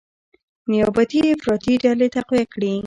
نیابتي افراطي ډلې تقویه کړي،